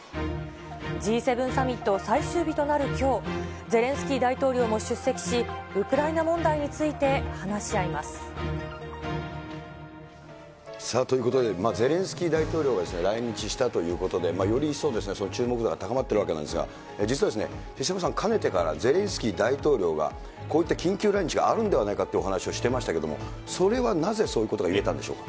Ｇ７サミット最終日となるきょう、ゼレンスキー大統領も出席し、ウクライナ問題について話し合いということで、ゼレンスキー大統領がですね、来日したということで、より一層、注目度が高まっているわけなんですが、実は手嶋さん、かねてから、ゼレンスキー大統領がこういった緊急来日があるんではないかというお話をしてましたけども、それはなぜ、そういうことが言えたんでしょうか？